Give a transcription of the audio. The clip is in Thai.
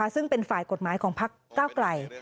ซึ่งเป็นฝ่ายกฎหมายของพักเก้าไกล